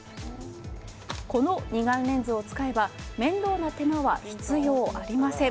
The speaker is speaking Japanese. この２眼レンズを使えば面倒な手間は必要ありません。